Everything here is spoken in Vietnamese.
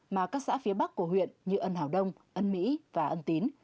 mà các xã phía bắc của huyện như ân hảo đông ân mỹ và ân tín